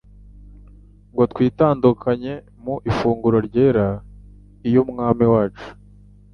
ngo twitandukanye mu ifunguro ryera iy'Umwami wacu.